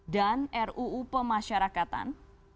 dan ruu pemasyarakatan